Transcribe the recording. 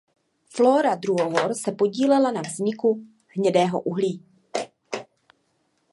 Flóra druhohor se podílela na vzniku hnědého uhlí.